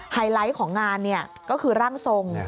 ไฮไลท์ของงานก็คือร่างทรง